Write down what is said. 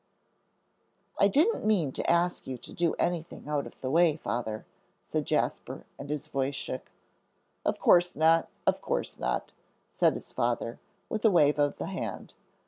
"I didn't mean to ask you to do anything out of the way, Father," said Jasper, and his voice shook. "Of course not, of course not," said his father, with a wave of the hand.